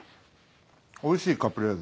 おいしいカプレーゼ。